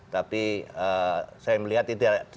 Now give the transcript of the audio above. tapi saya melihat